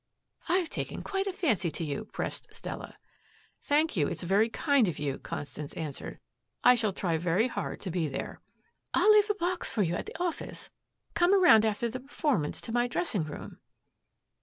"I've taken quite a fancy to you," pressed Stella. "Thank you, it's very kind of you," Constance answered. "I shall try very hard to be there." "I'll leave a box for you at the office. Come around after the performance to my dressing room."